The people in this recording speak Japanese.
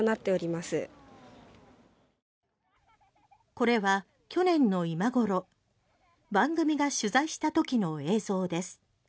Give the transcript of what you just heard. これは去年の今頃番組が取材したときの映像です。